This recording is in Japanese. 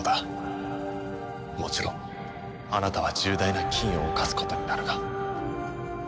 もちろんあなたは重大な禁を犯すことになるが。